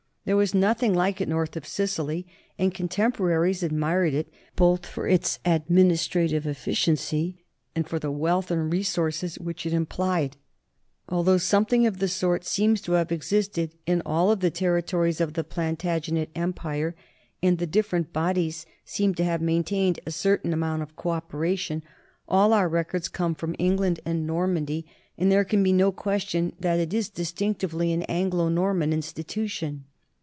There was nothing like it north of Sicily, and contemporaries admired it both for its administrative efficiency and for the wealth and resources which it implied. Although something of the sort seems to have existed in all the territories of the Plantagenet empire and the different bodies seem to have maintained a certain amount of cooperation, all our records come from England and Normandy, 106 NORMANS IN EUROPEAN HISTORY and there can be no question that it is distinctively an Anglo Norman institution.